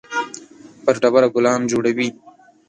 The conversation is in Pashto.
پر ډبره ګلان جوړوي